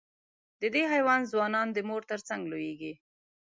د دې حیوان ځوانان د مور تر څنګ لویېږي.